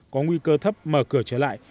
có nguy cơ thấp mở cửa trở lại